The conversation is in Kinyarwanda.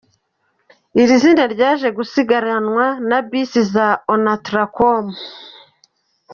Iri zina ryaje gusigaranwa na bisi za Onatracom.